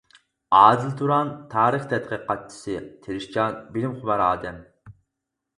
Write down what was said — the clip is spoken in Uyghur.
ئادىل تۇران تارىخ تەتقىقاتچىسى، تىرىشچان، بىلىم خۇمار ئادەم.